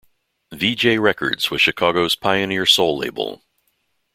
Vee-Jay Records was Chicago's pioneer soul label.